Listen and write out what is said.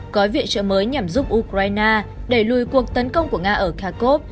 gói viện trợ mới nhằm giúp ukraine đẩy lùi cuộc tấn công của nga ở kharkov